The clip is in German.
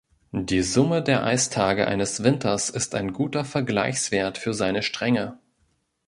Die Summe der "Eistage" eines Winters ist ein guter Vergleichswert für seine Strenge.